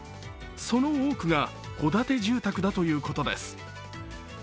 その多くが戸建て住宅だということです。